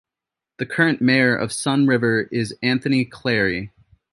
The current Mayor of Sun River is Anthony Clary.